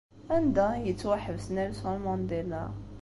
Anda ay yettwaḥbes Nelson Mandela?